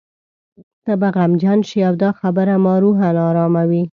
ته به غمجن شې او دا خبره ما روحاً اراموي.